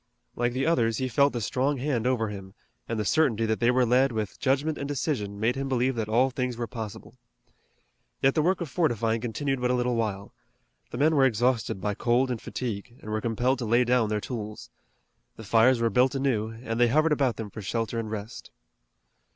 Like the others, he felt the strong hand over him, and the certainty that they were led with judgment and decision made him believe that all things were possible. Yet the work of fortifying continued but a little while. The men were exhausted by cold and fatigue, and were compelled to lay down their tools. The fires were built anew, and they hovered about them for shelter and rest.